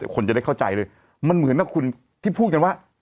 คนจะได้เข้าใจเลยมันเหมือนกับคุณที่พูดกันว่า